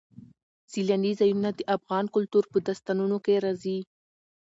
سیلانی ځایونه د افغان کلتور په داستانونو کې راځي.